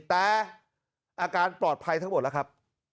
แต่อาการปลอดภัยทั้งหมดแล้วครับ